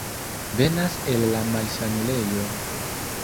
Venas el la malsanulejo?